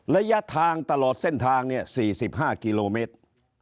ระยะทางตลอดเส้นทางเนี่ยสี่สิบห้ากิโลเมตร